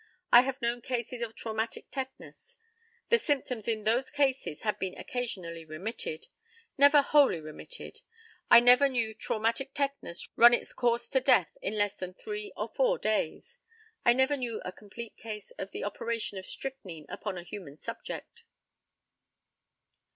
I have known cases of traumatic tetanus. The symptoms in those cases had been occasionally remitted, never wholly terminated. I never knew traumatic tetanus run its course to death in less than three or four days. I never knew a complete case of the operation of strychnine upon a human subject.